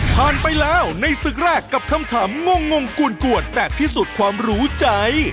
ผ่านไปแล้วในศึกแรกกับคำถามงงกวนแต่พิสูจน์ความรู้ใจ